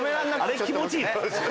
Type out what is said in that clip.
あれ気持ちいいの？